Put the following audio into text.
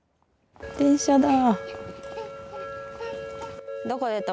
電車だ。